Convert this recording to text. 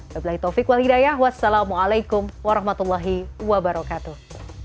wa bila'i taufiq wal hidayah wassalamu'alaikum warahmatullahi wabarakatuh